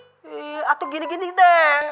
eh atuh gini gini deh